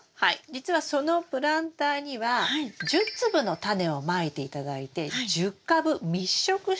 じつはそのプランターには１０粒のタネをまいて頂いて１０株密植して育てます。